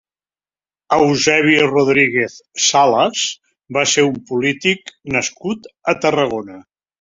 Eusebi Rodríguez Salas va ser un polític nascut a Tarragona.